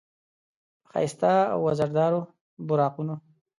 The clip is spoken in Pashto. په ښایسته او وزردارو براقونو،